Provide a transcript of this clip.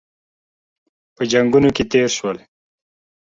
په جنګونو کې تېر شول.